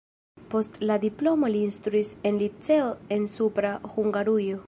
Post la diplomo li instruis en liceo en Supra Hungarujo.